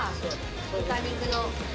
豚肉の。